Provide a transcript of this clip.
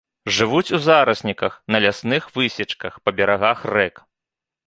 Жывуць у зарасніках, на лясных высечках, па берагах рэк.